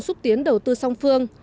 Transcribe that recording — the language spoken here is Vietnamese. xúc tiến đầu tư song phương